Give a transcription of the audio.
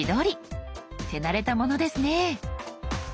手慣れたものですね。